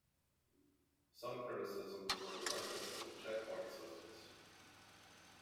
Some criticisms were directed at the checkpoint systems.